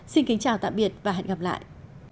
xin kính chào tạm biệt và hẹn gặp lại